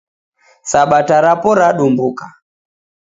Sabata rapo radumbuka